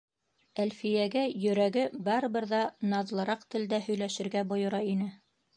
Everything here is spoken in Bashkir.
Әлфиәгә йөрәге барыбер ҙә наҙлыраҡ телдә һөйләшергә бойора ине.